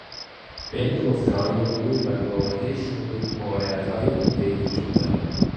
بین گفتههای او و گواهی شهود مغایرتهای عمدهای وجود دارد.